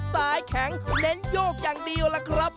สายแข็งเน้นโยกอย่างเดียวล่ะครับ